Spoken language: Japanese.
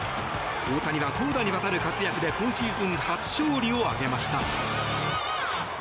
大谷は投打にわたる活躍で今シーズン初勝利を挙げました。